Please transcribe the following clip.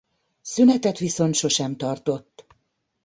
Szünetet viszont sosem tartott.